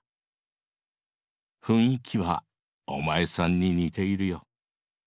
雰囲気はお前さんに似ているヨ。